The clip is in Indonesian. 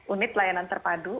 unit layanan terpadu